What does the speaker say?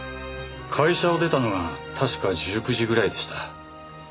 会社を出たのが確か１９時ぐらいでした。